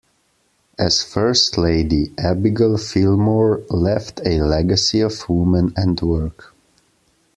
As first lady Abigail Fillmore left a legacy of women and work.